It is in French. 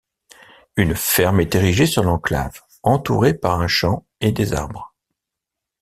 Une ferme est érigée sur l'enclave, entourée par un champ et des arbres.